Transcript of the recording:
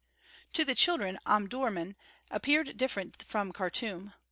To the children Omdurmân appeared different from Khartûm.